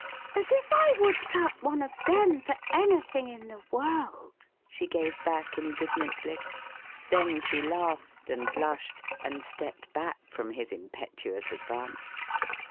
"As if I would cut one of them for anything in the world!" she gave back, indignantly. Then she laughed, and blushed and stepped back from his impetuous advance.